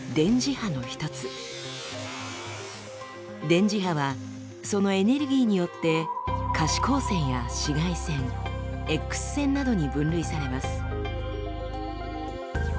電磁波はそのエネルギーによって可視光線や紫外線Ｘ線などに分類されます。